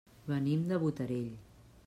Venim de Botarell.